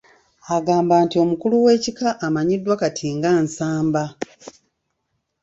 Agamba nti omukulu w’ekika amanyiddwa kati nga Nsamba.